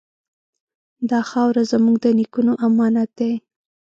دا خاوره زموږ د نیکونو امانت دی.